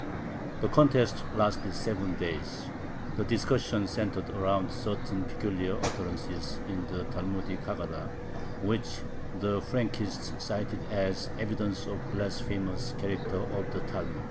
The contest lasted seven days. The discussions centered around certain peculiar utterances in the Talmudic Haggada, which the Frankists cited as evidence of the "blasphemous" character of the Talmud.